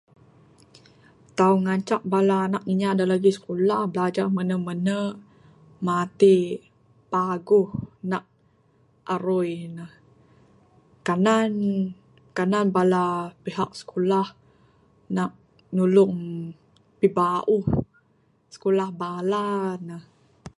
Tau ngancak bala anak inya da lagi sikulah, bilajar menu-menu. Matik paguh nak arui ne, kanan, kanan bala pihak sikulah nak nulung pibauh sikulah bala ne.